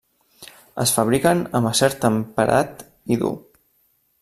Es fabriquen amb acer temperat i dur.